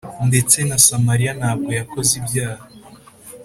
Ndetse na Samariya ntabwo yakoze ibyaha